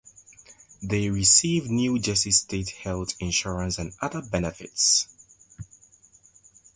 They receive New Jersey State health insurance and other benefits.